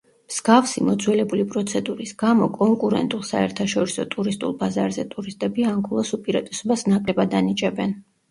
მსგავსი მოძველებული პროცედურის გამო კონკურენტულ საერთაშორისო ტურისტულ ბაზარზე ტურისტები ანგოლას უპირატესობას ნაკლებად ანიჭებენ.